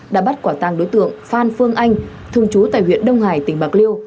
đã bắt quả tàng đối tượng phan phương anh thường trú tại huyện đông hải tỉnh bạc liêu